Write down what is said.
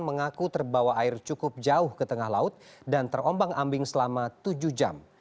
mengaku terbawa air cukup jauh ke tengah laut dan terombang ambing selama tujuh jam